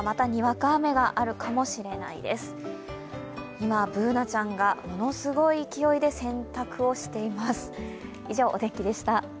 今、Ｂｏｏｎａちゃんがものすごい勢いで洗濯をしています。